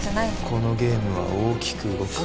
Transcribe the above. このゲームは大きく動く。